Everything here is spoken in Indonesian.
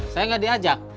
saya gak diajak